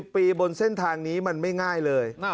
ปีบนเส้นทางนี้มันไม่ง่ายเลย